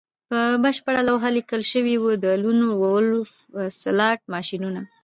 په بشپړه لوحه لیکل شوي وو د لون وولف سلاټ ماشینونه